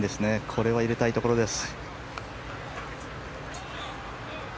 これは入れたいところです。